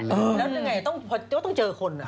แล้วเอาไงก็ต้องเจอคน